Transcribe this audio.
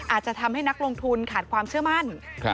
อาจจะทำให้นักลงทุนขาดความเชื่อมั่น